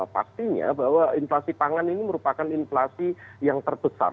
pastinya bahwa inflasi pangan ini merupakan inflasi yang terbesar